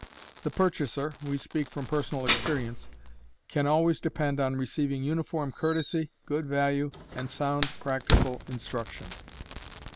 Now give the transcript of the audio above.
The purchaser — we speak from personal experience — can always depend on receiving uniform courtesy, good value, and sound practical instruction.